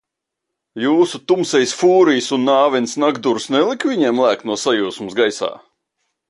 Jūsu Tumsejs Fūrijs un Nāvens Nagdurs nelika viņiem lēkt no sajūsmas gaisā?